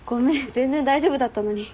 全然大丈夫だったのに。